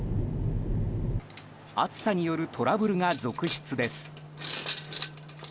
暑さによるトラブルが続出です。